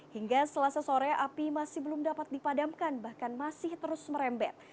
hingga selasa sore api masih belum dapat dipadamkan bahkan masih terus merembet